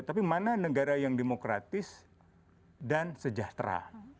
tapi mana negara yang demokratis dan sejahtera